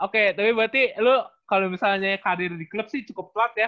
oke tapi berarti lu kalau misalnya karir di klub sih cukup telat ya